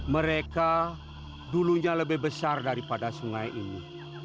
mereka dulunya lebih besar daripada sungai ini